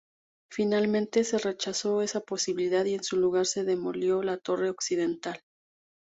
Finalmente se rechazó esa posibilidad y en su lugar se demolió la torre occidental.